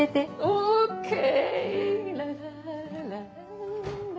オーケー！